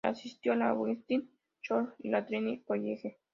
Asistió a la Westminster School y al Trinity College.